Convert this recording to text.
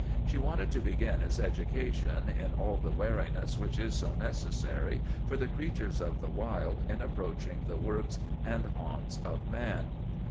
She wanted to begin his education in all the wariness which is so necessary for the creatures of the wild in approaching the works and haunts of man.